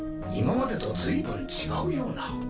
今までとずいぶん違うような。